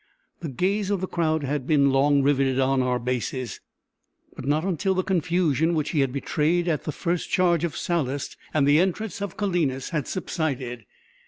The gaze of the crowd had been long riveted on Arbaces; but not until the confusion which he had betrayed at the first charge of Sallust and the entrance of Calenus had subsided.